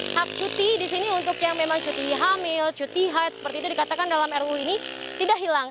hak cuti di sini untuk yang memang cuti hamil cuti haid seperti itu dikatakan dalam ruu ini tidak hilang